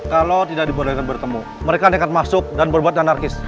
kalau tidak dibolehkan bertemu mereka nekat masuk dan berbuat anarkis